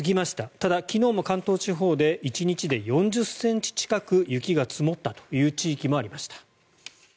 ただ、昨日も関東地方で１日で４０ｃｍ近く雪が積もったという地域もありました。